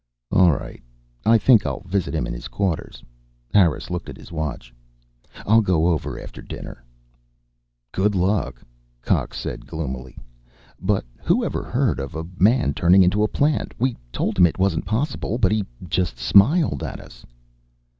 "All right. I think I'll visit him in his quarters." Harris looked at his watch. "I'll go over after dinner." "Good luck," Cox said gloomily. "But who ever heard of a man turning into a plant? We told him it wasn't possible, but he just smiled at us."